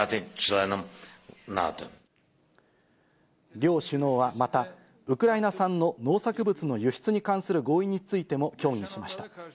両首脳はまた、ウクライナ産の農作物の輸出に関する合意についても協議しました。